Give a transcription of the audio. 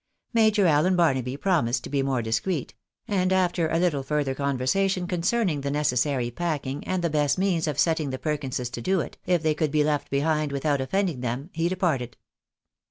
Major Allen Barnaby promised to be more discreet; and after a little further conversation concerning the necessary packing, and the best means of setting the Perkinses to do it, if they could be left behind without offending them, he departed.